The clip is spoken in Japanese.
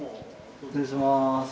失礼します。